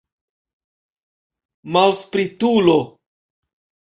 Malspritulo!